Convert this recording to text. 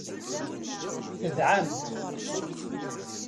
Tedɛamt.